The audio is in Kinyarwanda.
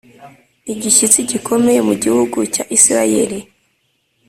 igishyitsi gikomeye mu gihugu cya Isirayeli